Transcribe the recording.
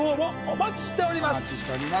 お待ちしております